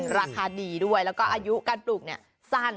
ราคาดีด้วยแล้วก็อายุการปลูกเนี่ยสั้น